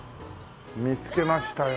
見つけましたよ。